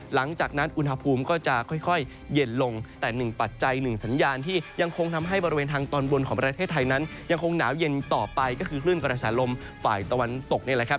หลังจากนั้นอุณหภูมิก็จะค่อยเย็นลงแต่หนึ่งปัจจัยหนึ่งสัญญาณที่ยังคงทำให้บริเวณทางตอนบนของประเทศไทยนั้นยังคงหนาวเย็นต่อไปก็คือคลื่นกระแสลมฝ่ายตะวันตกนี่แหละครับ